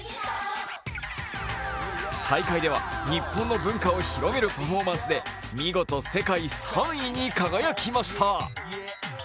大会では日本の文化を広めるパフォーマンスで見事、世界３位に輝きました。